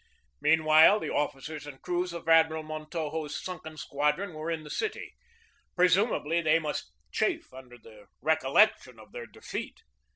Meanwhile, the officers and crews of Admiral Montojo's sunken squadron were in the city. Presumably they must chafe under the recollection of their defeat.